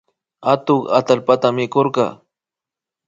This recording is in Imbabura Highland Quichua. Atuk atallpata mikurka